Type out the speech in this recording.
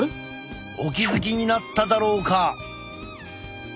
お気付きになっただろうか？